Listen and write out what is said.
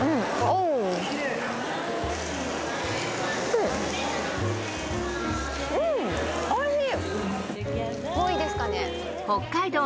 おいしい。